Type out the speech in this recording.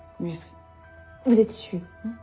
うん。